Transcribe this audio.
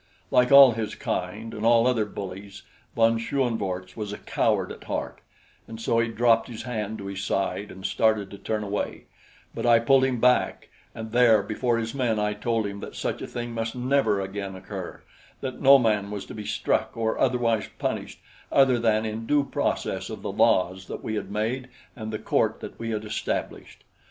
Like all his kind and all other bullies, von Schoenvorts was a coward at heart, and so he dropped his hand to his side and started to turn away; but I pulled him back, and there before his men I told him that such a thing must never again occur that no man was to be struck or otherwise punished other than in due process of the laws that we had made and the court that we had established.